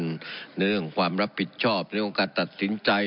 เรื่องความรับผิดชอบในเรื่องของการตัดสินใจ